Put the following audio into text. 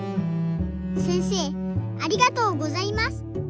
せんせいありがとうございます。